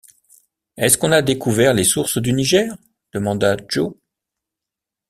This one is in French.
Est-ce qu’on a découvert les sources du Niger? demanda Joe.